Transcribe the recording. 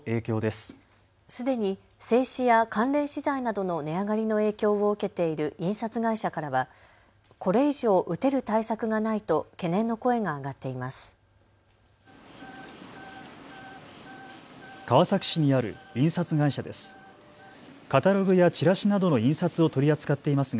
すでに製紙や関連資材などの値上がりの影響を受けている印刷会社からはこれ以上、打てる対策がないと懸念の声が上がっています。